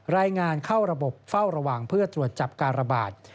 รายงานเข้าระบบเฝ้าระวังเพื่อตรวจจับการระบาด